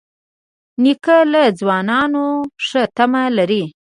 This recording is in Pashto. نیکه له ځوانانو ښه تمه لري.